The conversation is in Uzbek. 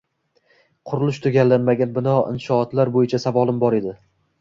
Qurilishi tugallanmagan bino inshootlar bo'yicha savolim bor edi.